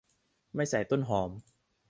ไม่ใส่ต้นหอม